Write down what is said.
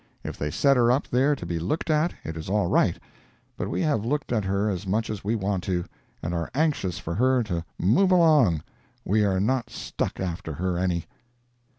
If they set her up there to be looked at, it is all right; but we have looked at her as much as we want to, and are anxious for her to move along; we are not stuck after her any.